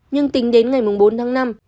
nhưng tính đến ngày bốn tháng năm